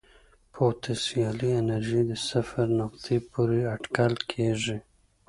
پوتنسیالي انرژي د صفر نقطې پورې اټکل کېږي.